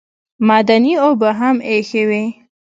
معدني اوبه هم ایښې وې.